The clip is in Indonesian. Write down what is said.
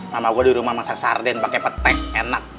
mama gue di rumah masak sarden pakai petek enak